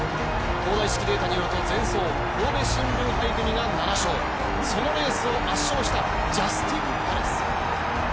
東大式データによると前走神戸新聞杯組が７勝、そのレースを圧勝したジャスティンパレス。